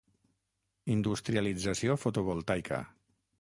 Industrialització fotovoltaica.